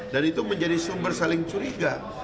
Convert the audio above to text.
dan itu menjadi sumber saling curiga